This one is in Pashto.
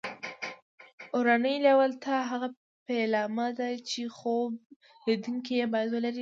اورنۍ لېوالتیا هغه پیلامه ده چې خوب لیدونکي یې باید ولري